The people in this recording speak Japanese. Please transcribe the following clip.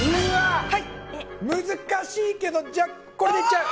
難しいけどこれでいっちゃう。